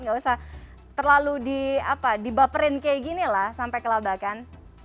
gak usah terlalu dibaperin kayak ginilah sampai kelabakan